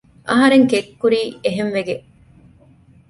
އަހަރެން ކެތް ކުރީ އެހެންވެގެން